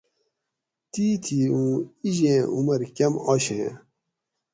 تیتھی اوں ایجیں عمر کۤم آشیں